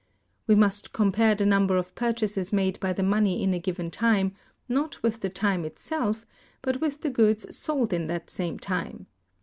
We must compare the number of purchases made by the money in a given time, not with the time itself, but with the goods sold in that same time.